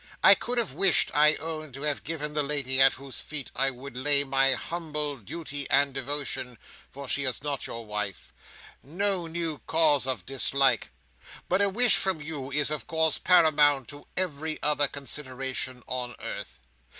I could have wished, I own, to have given the lady at whose feet I would lay my humble duty and devotion—for is she not your wife!—no new cause of dislike; but a wish from you is, of course, paramount to every other consideration on earth.